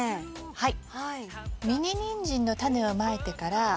はい。